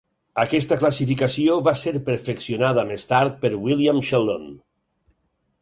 Aquesta classificació va ser perfeccionada més tard per William Sheldon.